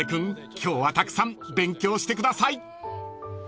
今日はたくさん勉強してください］